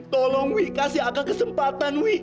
tolong wi kasih akan kesempatan wi